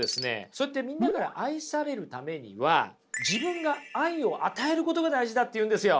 そうやってみんなから愛されるためには自分が愛を与えることが大事だっていうんですよ。